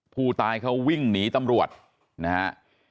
ผู้ตายเขาวิ่งหนีตำรวจนะฮะ